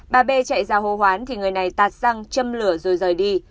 bà p chạy ra hô hoán thì người này tạt răng châm lửa rồi rời đi